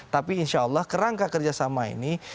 tapi insya allah kerangka kerjasama ini